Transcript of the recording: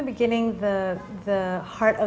melihat cara untuk